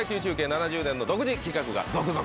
７０年の独自企画が続々。